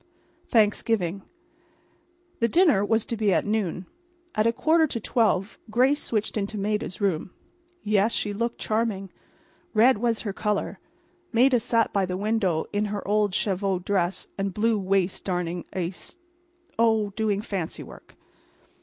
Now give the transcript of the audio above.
Thanksgiving. The dinner was to be at noon. At a quarter to twelve Grace switched into Maida's room. Yes, she looked charming. Red was her color. Maida sat by the window in her old cheviot skirt and blue waist darning a st—. Oh, doing fancy work.